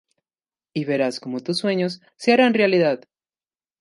Y verás como tus sueños... ¡se harán realidad!